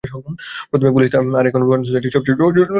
প্রথমে পুলিশ, আর এখন রোহান সোসাইটির সবচেয়ে সহজ সরল ছেলে সে কি করেছিস?